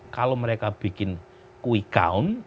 kalau mereka bikin kuih kaun